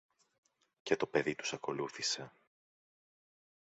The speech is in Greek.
Και το παιδί τους ακολούθησε.